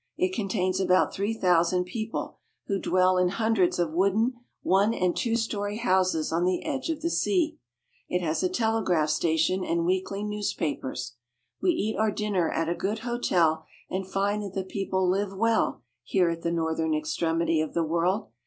It contains about three thousand people, who dwell in hundreds of wooden one and two story houses on the edge of the sea. It has a telegraph station and weekly newspapers. We eat our dinner at a good hotel, and find that the people live well Landing, Hammerfest. here at the northern extremity of the world.